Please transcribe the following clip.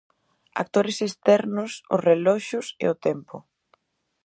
Actores externos, os reloxos e o tempo.